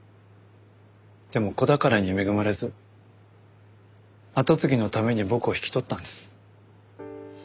でも子宝に恵まれず後継ぎのために僕を引き取ったんです。